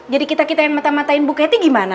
jadi kita kita yang mata matain bu kety gimana